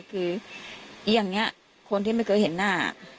คืออย่างนี้คนที่ไม่เคยเห็นหน้า